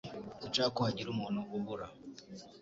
Sinshaka ko hagira umuntu ubura